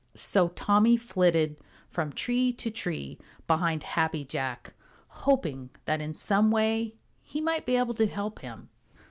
So Tommy flitted from tree to tree behind Happy Jack, hoping that in some way he might be able to help him.